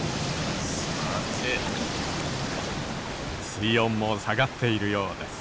水温も下がっているようです。